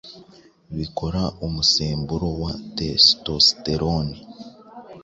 bikora umusemburo wa testosterone